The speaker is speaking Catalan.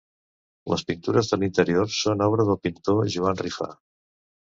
Les pintures de l'interior són obra del pintor Joan Rifà.